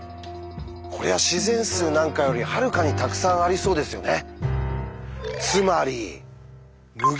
こりゃ自然数なんかよりはるかにたくさんありそうですよね。